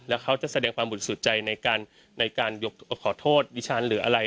และเขาจะแสดงความบุตรสุดใจในการขอโทษดิฉันหรืออะไร